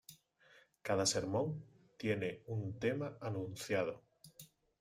Cada sermón tiene un tema anunciado.